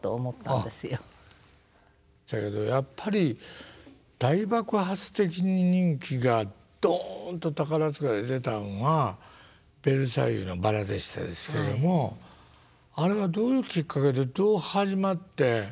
そやけどやっぱり大爆発的に人気がどんと宝塚で出たんは「ベルサイユのばら」でしたですけどもあれはどういうきっかけでどう始まって。